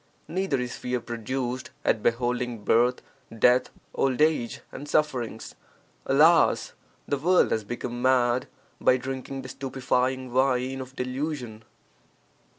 Neither is fear produced at beholding birth, death, old age, and sufferings. (Alas), the world has become mad by drinking the stupefying wine of delusion.